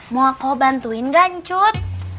mau aku bantuin gak cucu